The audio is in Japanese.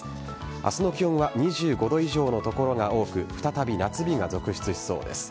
明日の気温は２５度以上の所が多く再び夏日が続出しそうです。